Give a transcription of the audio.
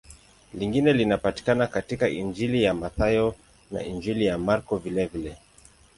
Lingine linapatikana katika Injili ya Mathayo na Injili ya Marko vilevile.